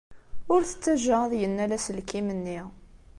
Ur t-ttajja ad yennal aselkim-nni.